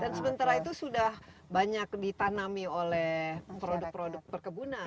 dan sementara itu sudah banyak ditanami oleh produk produk perkebunan